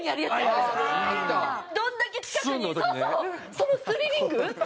そのスリリング！